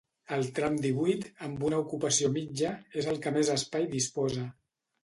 El tram divuit, amb una ocupació mitja, és el que més espai disposa.